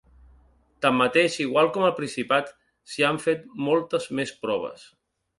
Tanmateix, igual com al Principat, s’hi han fet moltes més proves.